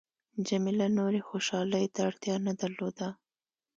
جميله نورې خوشحالۍ ته اړتیا نه درلوده.